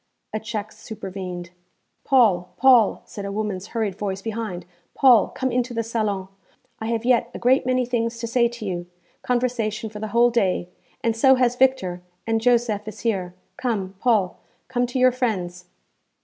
A check supervened. 'Paul, Paul!' said a woman's hurried voice behind 'Paul, come into the salon. I have yet a great many things to say to you conversation for the whole day and so has Victor; and Josef is here. Come, Paul come to your friends.'